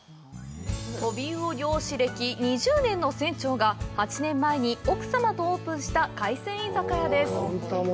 トビウオ漁師歴２０年の船長が８年前に奥様とオープンした海鮮居酒屋です。